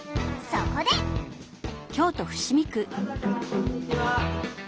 こんにちは。